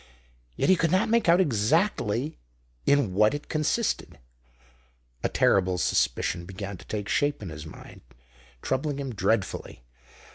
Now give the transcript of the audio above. Yet he could not make out exactly in what it consisted. A terrible suspicion began to take shape in his mind, troubling him dreadfully.